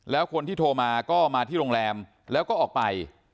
แล้วคนที่โทรมาก็มาที่โรงแรมแล้วก็ออกไป